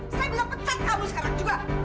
saya bilang pecat kamu sekarang juga